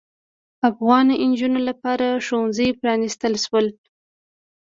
افغان نجونو لپاره ښوونځي پرانیستل شول.